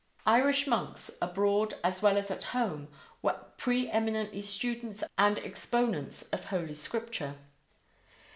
Irish monks, abroad as well as at home, were pre eminently students and exponents of Holy Scripture.